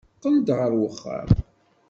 Qqel-d ɣer uxxam.